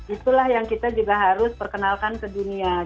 itulah yang kita juga harus perkenalkan ke dunia